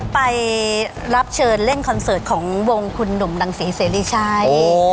ไปรับเชิญเล่นคอนเสิร์ตของวงคุณหนุ่มดังศรีเสรีชัย